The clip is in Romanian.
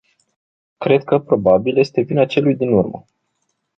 Cred că, probabil, este vina celui din urmă.